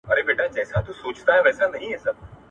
چي نه یو له بله وژني نه پښتون غلیم د ځان دی